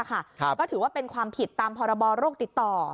ก็ถือว่าเป็นความผิดตามพรบโรคติดต่อ